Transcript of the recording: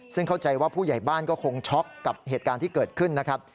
ซึ่งเข้าใจว่าผู้ใหญ่บ้านก็คงช็อกกับเหตุการณ์ที่เกิดขึ้นนะครับ